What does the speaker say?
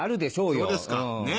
そうですかねっ。